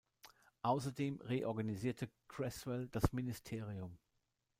Außerdem reorganisierte Creswell das Ministerium.